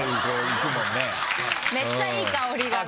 めっちゃいい香りがね。